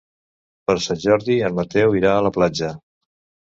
Per Sant Jordi en Mateu irà a la platja.